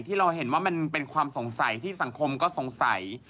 ที่เราเห็นว่ามันเป็นความสงสัยที่สังคมก็สงสัย